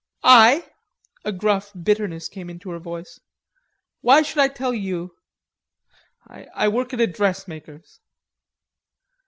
"I?" a gruff bitterness came into her voice. "Why should I tell you? I work at a dressmaker's."